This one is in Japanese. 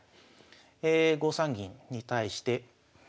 ５三銀に対して。